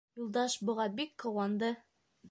Юлдаш быға бик ҡыуанды.